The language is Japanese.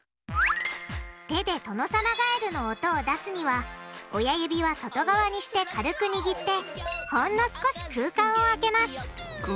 手でトノサマガエルの音を出すには親指は外側にして軽くにぎってほんの少し空間を空けます。